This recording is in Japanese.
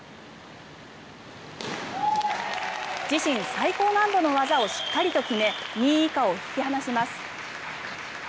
自身最高難度の技をしっかりと決め２位以下を引き離します。